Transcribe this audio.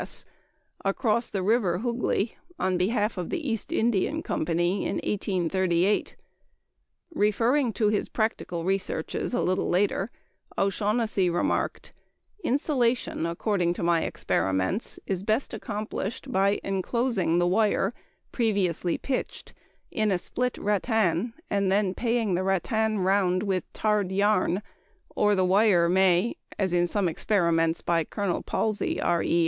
S.) across the River Hugli on behalf of the East Indian Company in 1838. Referring to his practical researches a little later, O'Shaughnessy remarked: "Insulation, according to my experiments, is best accomplished by enclosing the wire (previously pitched) in a split rattan, and then paying the rattan round with tarred yarn; or the wire may as in some experiments by Colonel Pasley, R.E.